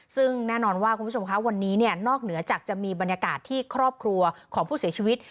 ซึ่งแน่นอนว่าคุณผู้ชมคะวันนี้เนี่ยนอกเหนือจากจะมีบรรยากาศที่ครอบครัวของผู้เสียชีวิต